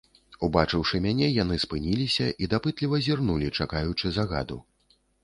Убачыўшы мяне, яны спыніліся і дапытліва зірнулі, чакаючы загаду.